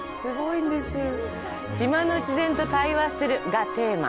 「島の自然と対話する」がテーマ。